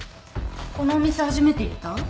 このお店初めて行った？